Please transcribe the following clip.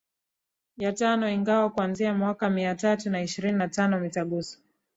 ya tano ingawa kuanzia mwaka mia tatu na ishirini na tano mitaguso